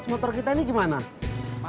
perlu ber difficulty mengganggu